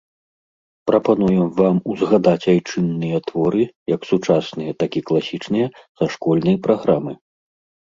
Прапануем вам узгадаць айчынныя творы, як сучасныя, так і класічныя, са школьнай праграмы.